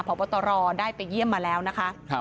พบตรได้ไปเยี่ยมมาแล้วนะคะ